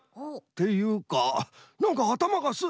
っていうかなんかあたまがス。